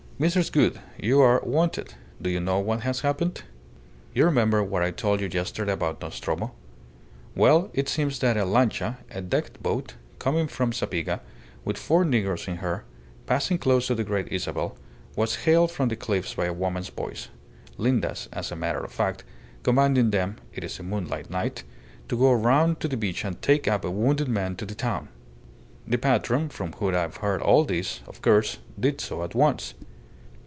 "Mrs. Gould, you are wanted. Do you know what has happened? You remember what I told you yesterday about Nostromo. Well, it seems that a lancha, a decked boat, coming from Zapiga, with four negroes in her, passing close to the Great Isabel, was hailed from the cliff by a woman's voice Linda's, as a matter of fact commanding them (it's a moonlight night) to go round to the beach and take up a wounded man to the town. The patron (from whom I've heard all this), of course, did so at once.